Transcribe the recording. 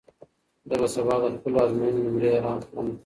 زه به سبا د خپلو ازموینو نمرې اعلان کړم.